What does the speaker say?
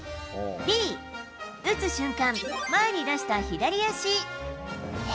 Ｂ、打つ瞬間、前に出した左足。